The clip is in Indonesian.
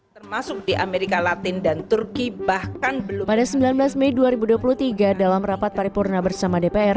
pada sembilan belas mei dua ribu dua puluh tiga dalam rapat paripurna bersama dpr